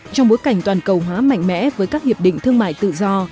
trong bối cảnh toàn cầu hóa mạnh mẽ với các hiệp định thương mại tự do